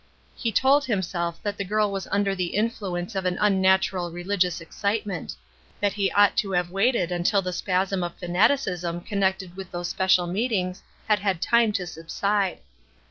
He told himself that the girl was imder the influence of an un natural religious excitement; that he ought to have waited until the spasm of fanaticism con nected with those special meetings had had time to subside.